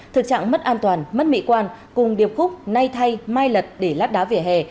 thực trạng mất an toàn mất mỹ quan cùng điệp khúc nai thay mai lật để lát đá vỉa hè